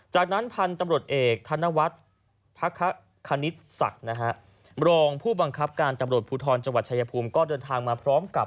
จากนั้นพันธุ์ตำรวจเอกธนวัฒน์พระคณิตศักดิ์นะฮะรองผู้บังคับการตำรวจภูทรจังหวัดชายภูมิก็เดินทางมาพร้อมกับ